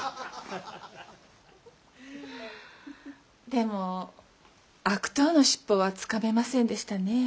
でも悪党の尻尾はつかめませんでしたね。